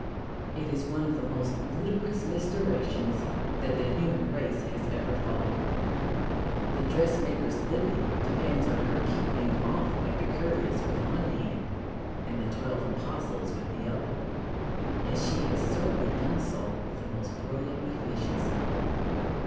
It is one of the most ludicrous misdirections that the human race has ever followed. The dressmaker's living depends on her keeping off Epicurus with one hand and the Twelve Apostles with the other, and she has certainly done so with the most brilliant efficiency.